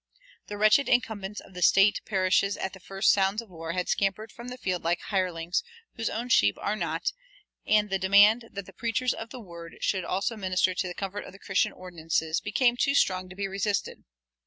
The wretched incumbents of the State parishes at the first sounds of war had scampered from the field like hirelings whose own the sheep are not, and the demand that the preachers of the word should also minister the comfort of the Christian ordinances became too strong to be resisted.